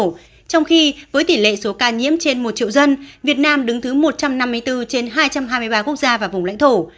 trong khi với tỷ lệ số ca nhiễm trên một triệu dân việt nam đứng thứ một trăm năm mươi bốn trên hai trăm hai mươi ba quốc gia và vùng lãnh thổ